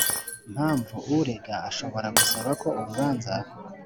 Mpamvu urega ashobora gusaba ko urubanza